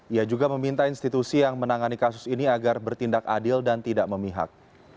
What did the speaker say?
ia juga meminta institusi yang menangani kasus ini agar bertindak adil dan tidak memihak